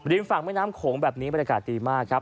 ฝั่งแม่น้ำโขงแบบนี้บรรยากาศดีมากครับ